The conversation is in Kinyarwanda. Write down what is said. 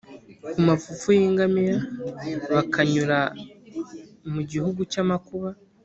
ku mapfupfu y ingamiya bakanyura mu gihugu cy amakuba